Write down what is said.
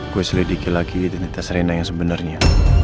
gue selidiki lagi identitas rena yang sebenarnya